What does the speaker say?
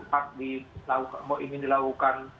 mau ingin dilakukan